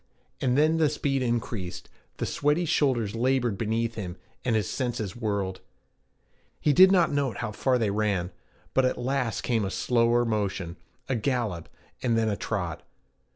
And then the speed increased, the sweaty shoulders labored beneath him, and his senses whirled. He did not note how far they ran; but at last came a slower motion, a gallop, and then a trot.